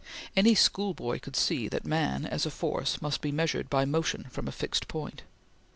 Any schoolboy could see that man as a force must be measured by motion, from a fixed point.